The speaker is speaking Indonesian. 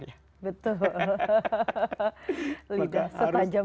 istilah lidah tak bertulang ya